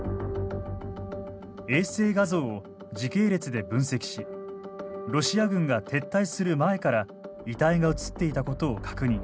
衛星画像を時系列で分析しロシア軍が撤退する前から遺体が映っていたことを確認。